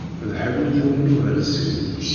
D ḥellu n yiwen n uberṣi.